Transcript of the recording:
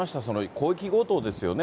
広域強盗ですよね。